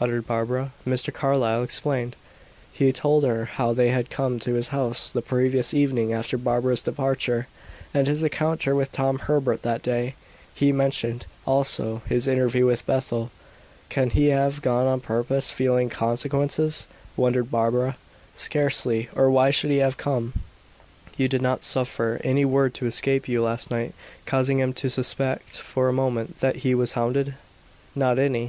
uttered Barbara. Mr. Carlyle explained. He told her how they had come to his house the previous evening after Barbara's departure, and his encounter with Tom Herbert that day; he mentioned, also, his interview with Bethel. "Can he have gone on purpose, fearing consequences?" wondered Barbara. "Scarcely; or why should he have come?" "You did not suffer any word to escape you last night causing him to suspect for a moment that he was hounded?" "Not any.